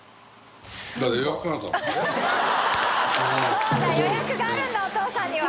そうだ予約があるんだお父さんには。